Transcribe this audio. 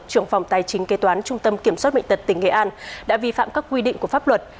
trưởng phòng tài chính kế toán trung tâm kiểm soát bệnh tật tỉnh nghệ an đã vi phạm các quy định của pháp luật